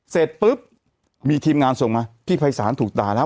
เสร็จปุ๊บมีทีมงานส่งมาพี่ภัยศาลถูกด่าแล้ว